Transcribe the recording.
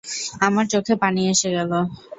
আমার চোখে পানি এসে গেল।